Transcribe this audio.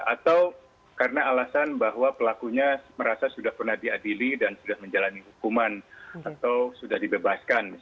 atau karena alasan bahwa pelakunya merasa sudah pernah diadili dan sudah menjalani hukuman atau sudah dibebaskan